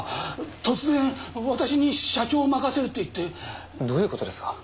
突然私に社長を任せると言ってどういうことですか？